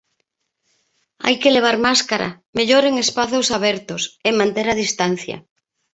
Hai que levar máscara, mellor en espazos abertos, e manter a distancia.